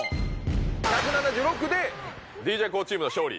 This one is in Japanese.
１７６でＤＪＫＯＯチームの勝利。